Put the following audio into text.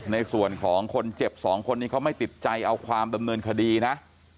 ในส่วนของคนเจ็บสองคนนี้เขาไม่ติดใจเอาความดำเนินคดีนะ